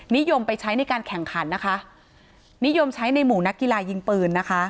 นิยมไปใช้ในการแข่งขันนะคะนิยมใช้ในหมู่นักกีฬายิงปืนนะคะ